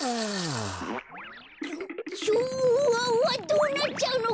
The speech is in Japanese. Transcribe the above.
どうなっちゃうの？